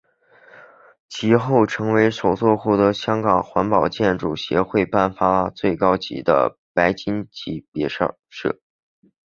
其后成为首座获得香港环保建筑协会颁发最高级的白金级别校舍。